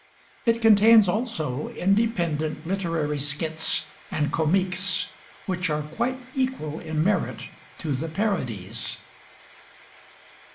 It contains also independent literary skits and comiques which are quite equal in merit to the parodies.